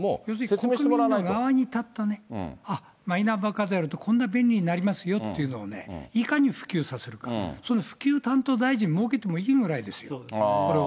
国民の側に立ったね、ああ、マイナンバーカードやると、こんな便利になりますよっていうのを、いかに普及させるのか、その普及担当大臣を設けてもいいぐらいですよ、これは。